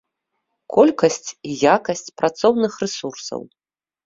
Колькасць і якасць працоўных рэсурсаў.